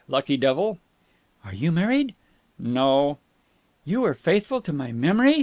Lucky devil!" "Are you married?" "No." "You were faithful to my memory?"